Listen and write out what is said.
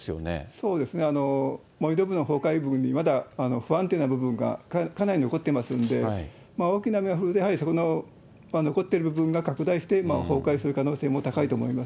そうですね、盛り土部の崩壊部にまだ不安定な部分がかなり残っていますんで、大きな雨が降ると、残っている部分が拡大して、崩壊する可能性も高いと思います。